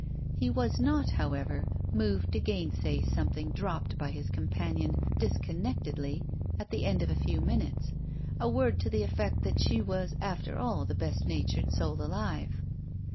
He was not, however, moved to gainsay something dropped by his companion, disconnectedly, at the end of a few minutes; a word to the effect that she was after all the best natured soul alive.